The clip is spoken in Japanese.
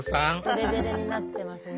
デレデレになってますね。